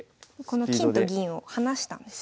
この金と銀を離したんですね。